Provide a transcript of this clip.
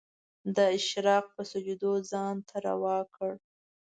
د اشراق په سجدو ځان ته روا کړ